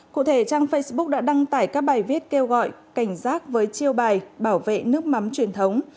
cụ thể trang facebook đã đăng tải các bài viết kêu gọi cảnh giác với chiêu bài bảo vệ nước mắm truyền thống